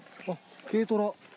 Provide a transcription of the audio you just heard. あっ軽トラ。